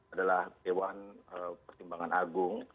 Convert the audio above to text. adalah dewan pertimbangan agung